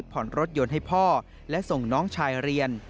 ผ่อนรถยนต์ให้พ่อและส่งน้องชายเรียน